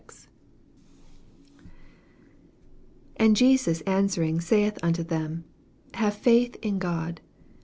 22 And Jesus answering saith unto them, Have faith in God.